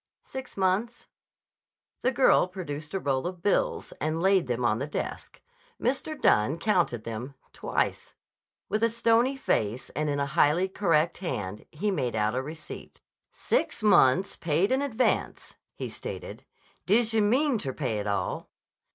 "Six months." The girl produced a roll of bills and laid them on the desk. Mr. Dunne counted them twice. With a stony face and in a highly correct hand he made out a receipt. "Six months. Paid in advance," he stated. "D'je meanter pay it all?"